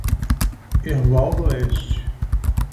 Herval d'Oeste